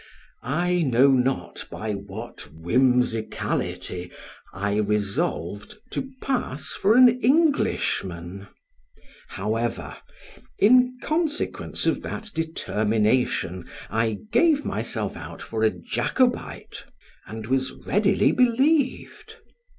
I know not by what whimsicallity I resolved to pass for an Englishman; however, in consequence of that determination I gave myself out for a Jacobite, and was readily believed.